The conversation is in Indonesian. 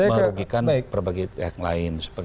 merugikan berbagai pihak lain